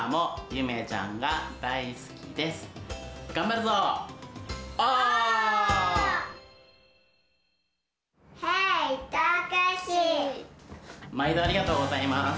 まいどありがとうございます。